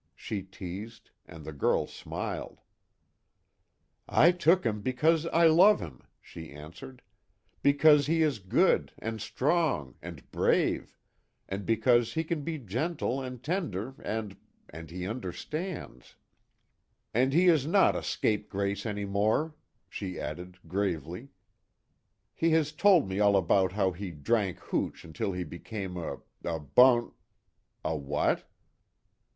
she teased, and the girl smiled: "I took him because I love him," she answered, "Because he is good, and strong, and brave, and because he can be gentle and tender and and he understands. And he is not a scapegrace any more," she added, gravely, "He has told me all about how he drank hooch until he became a a bun " "A what?"